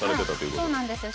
そうなんですよ。